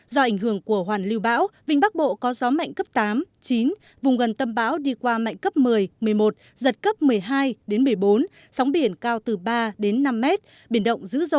do ảnh hưởng của hoàn lưu bão vĩnh bắc bộ có gió mạnh cấp tám chín vùng gần tâm bão đi qua mạnh cấp một mươi một mươi một giật cấp một mươi hai đến một mươi bốn